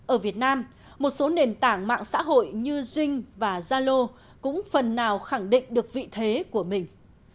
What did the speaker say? ở việt nam một số nền tảng mạng xã hội như jeng và zalo cũng phần nào khẳng định được vị thế của mình